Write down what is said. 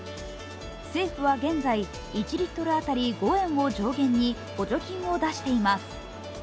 政府は現在、１リットル当たり５円を上限に補助金を出しています。